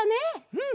うん！